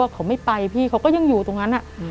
เขาไม่ไปพี่เขาก็ยังอยู่ตรงนั้น